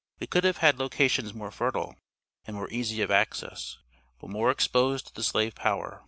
We could have had locations more fertile and more easy of access, but more exposed to the slave power.